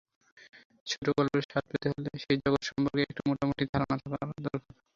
ছোটগল্পের স্বাদ পেতে হলে সেই জগৎ সম্পর্কে একটা মোটামুটি ধারণার দরকার হয়।